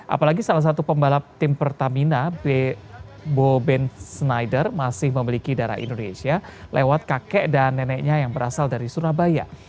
apalagi salah satu pembalap tim pertamina boben snyder masih memiliki darah indonesia lewat kakek dan neneknya yang berasal dari surabaya